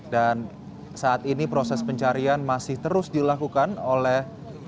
dan saat ini proses pencarian masih terus dilakukan oleh